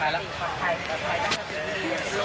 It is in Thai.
ดังนั้นคุณพ่อได้รับทั้ง๑๓ชีวิตกลับสู่อ้อมอก